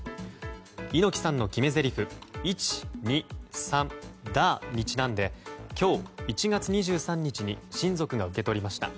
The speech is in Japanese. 猪木さんの決めぜりふ「１、２、３、ダー！」にちなんで今日１月２３日に親族が受け取りました。